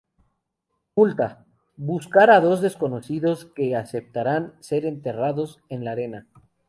Multa: buscar a dos desconocidos que aceptaran ser enterrados en la arena.